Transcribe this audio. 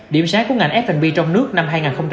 điểm sáng của ngành f b trong nước năm hai nghìn hai mươi ba